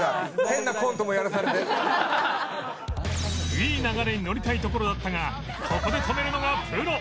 いい流れに乗りたいところだったがここで止めるのがプロ